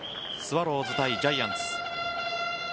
スワローズ対ジャイアンツ。